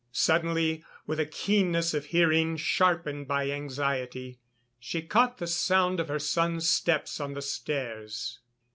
Suddenly, with a keenness of hearing sharpened by anxiety, she caught the sound of her son's steps on the stairs.